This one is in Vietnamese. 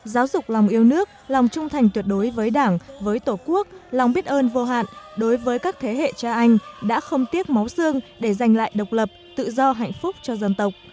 giáo dục lòng yêu nước lòng trung thành tuyệt đối với đảng với tổ quốc lòng biết ơn vô hạn đối với các thế hệ cha anh đã không tiếc máu xương để giành lại độc lập tự do hạnh phúc cho dân tộc